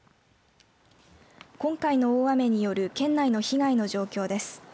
今回の大雨による県内の被害の状況です。